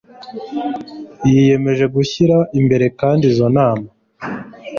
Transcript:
yiyemeje gushyira imbere kandi izo nama